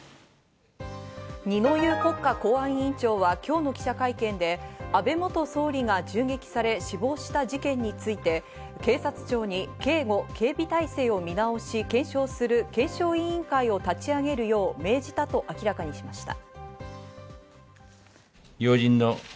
二之湯国家公安委員長は今日の記者会見で、安倍元総理が銃撃され死亡した事件について、警察庁に警護・警備体制を見直し、検証する検証委員会を立ち上げるよう命じたと明らかにしました。